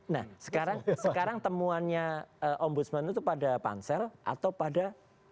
nah sekarang temuannya ombudsman itu pada pansel atau pada